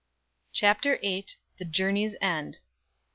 CHAPTER VIII. THE JOURNEY'S END.